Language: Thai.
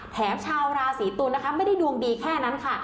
ชาวราศีตุลนะคะไม่ได้ดวงดีแค่นั้นค่ะ